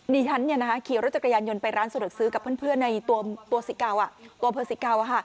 นี่ฉันเนี่ยนะฮะขี่รถจักรยานยนต์ไปร้านส่วนหลักซื้อกับเพื่อนในตัวเบอร์สิกเกาะค่ะ